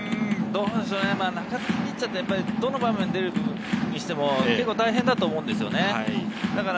中継ぎピッチャーはどの場面で出るにしても結構大変だと思うんです。